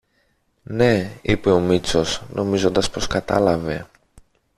Ναι, είπε ο Μήτσος νομίζοντας πως κατάλαβε